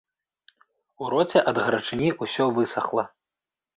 У роце ад гарачыні ўсё высахла.